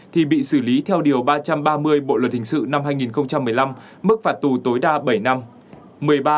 thì bị xử lý theo điều ba trăm ba mươi bộ luật hình sự năm hai nghìn một mươi năm mức phạt tù tối đa bảy năm